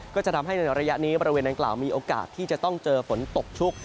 ก็จะทำให้ในระยะนี้บริเวณดังกล่าวมีโอกาสที่จะต้องเจอฝนตกชุก